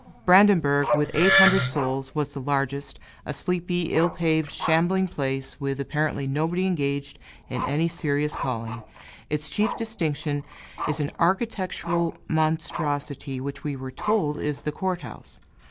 Brandenburg, with eight hundred souls, was the largest a sleepy, ill paved, shambling place, with apparently nobody engaged in any serious calling; its chief distinction is an architectural monstrosity, which we were told is the court house.